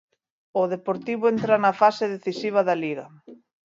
O Deportivo entra na fase decisiva da Liga.